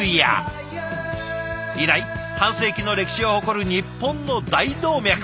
以来半世紀の歴史を誇る日本の大動脈。